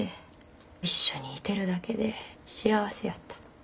一緒にいてるだけで幸せやった。